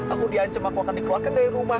aku di ancem aku akan dikeluarkan dari rumah